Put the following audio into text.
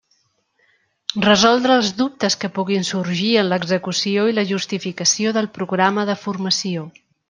Resoldre els dubtes que puguin sorgir en l'execució i la justificació del programa de formació.